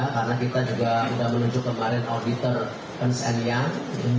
karena kita juga sudah menunjuk kemarin auditor prince and young